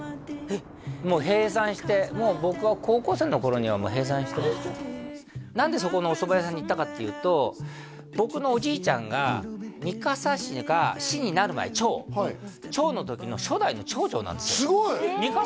もう閉山して僕が高校生の頃には閉山して何でそこのおそば屋さんに行ったかっていうと僕のおじいちゃんが三笠市が市になる前町町の時の初代の町長なんですよすごい！